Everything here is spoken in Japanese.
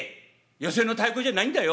寄席の太鼓じゃないんだよ。